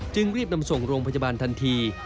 จึงรีบนำส่งโรงพยาบาลทันที